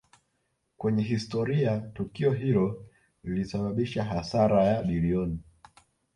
kwenye historia Tukio hilo lilisababisha hasara ya bilioni